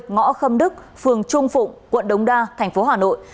ngõ khâm đức phường trung phụng quận đống đa thành phố hà nội